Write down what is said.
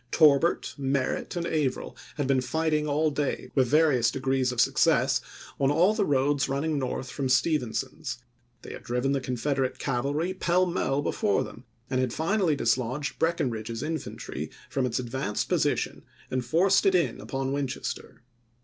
Torbert, Merritt, and Averill had been fighting all day, with various degrees of suc cess, on all the roads running north from Stephen son's; they had driven the Confederate cavalry pell mell before them and had finally dislodged Breckinridge's infantry from its advanced position and forced it in upon Winchester.